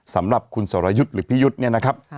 สำหรับคุณสรยุทธ์หรือพี่ยุทธ์เนี่ยนะครับ